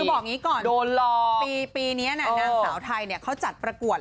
บอกอย่างนี้ก่อนปีนี้นางสาวไทยเขาจัดประกวด